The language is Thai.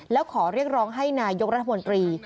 แล้วขอเรียกร้องให้นายกรัฐมนตรี